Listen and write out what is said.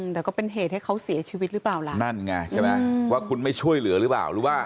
แต่ก็เป็นเหตุให้เขาเสียชีวิตหรือเปล่าล่ะนั่นไงใช่ไหมว่าคุณไม่ช่วยเหลือหรือเปล่าหรือว่า